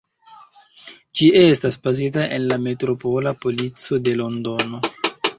Ĝi estas bazita en la Metropola Polico de Londono.